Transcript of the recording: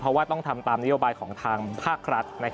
เพราะว่าต้องทำตามนโยบายของทางภาครัฐ